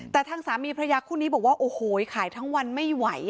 แต่ทางสามีพระยาคู่นี้บอกว่าโอ้โหขายทั้งวันไม่ไหว